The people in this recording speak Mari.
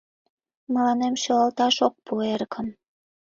Мыланем шӱлалташ ок пу эрыкым: